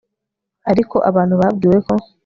ariko abantu babwiwe ko